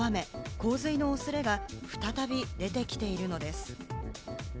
洪水の恐れが再び出てきているのです。